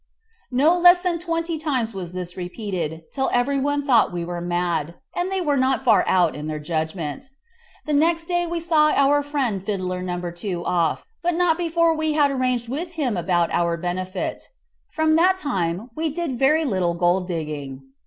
No less than twenty times was this repeated, till everybody thought we were mad, and they were not far out in their judgment. The next day we saw our friend Fiddler No. 2 off, but not before we had arranged with him about our benefit. From that time we did very little gold digging.